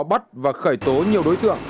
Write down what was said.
bắt và khởi tố nhiều đối tượng